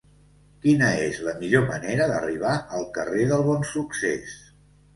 Quina és la millor manera d'arribar al carrer del Bonsuccés?